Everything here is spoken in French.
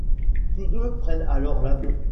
Tous deux prennent alors l'avion.